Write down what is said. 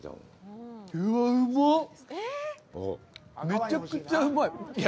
めちゃくちゃうまい！